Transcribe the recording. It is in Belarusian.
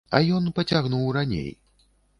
А ён пацягнуў раней.